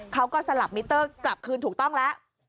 สลับมิเตอร์กลับคืนถูกต้องแล้ว